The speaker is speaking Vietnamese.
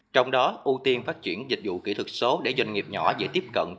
trong đó ưu tiên phát triển dịch vụ kỹ thuật số để doanh nghiệp nhỏ dễ tiếp cận